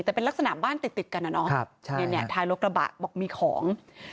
แต่เป็นลักษณะบ้านติดติดกันนะเนาะท้ายรถกระบะบอกมีของ